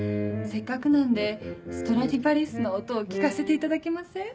せっかくなんでストラディバリウスの音を聴かせていただけません？